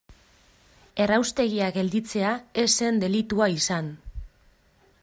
Erraustegia gelditzea ez zen delitua izan.